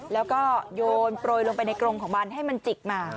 แล้วก็โยนโปรยลงไปในกรงของมันให้มันจิกมา